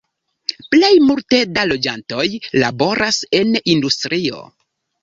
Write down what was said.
Plej multe da loĝantoj laboras en industrio.